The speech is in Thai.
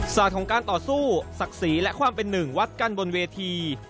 ของการต่อสู้ศักดิ์ศรีและความเป็นหนึ่งวัดกันบนเวที